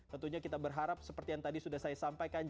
tentunya kita berharap seperti yang tadi sudah saya sampaikan